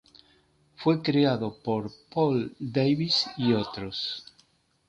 Fue creado por Paul Davis y otros.